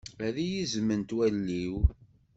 Ad iyi-zzment wallen-iw.